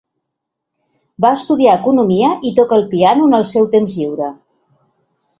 Va estudiar economia i toca el piano en el seu temps lliure.